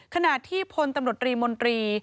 ขณะที่พลตำรวจรีมนตรี